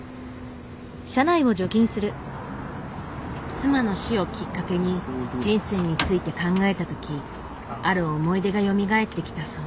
妻の死をきっかけに人生について考えた時ある思い出がよみがえってきたそう。